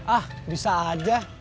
ah bisa aja